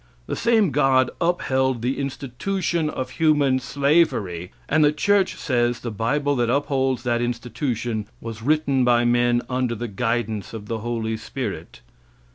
The same God upheld the institution of human slavery; and the church says the bible that upholds that institution was written by men under the guidance of the Holy Spirit.